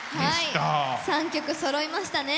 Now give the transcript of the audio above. ３曲そろいましたね。